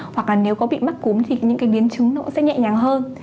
hoặc là nếu có bị mắc cúm thì những biến chứng sẽ nhẹ nhàng hơn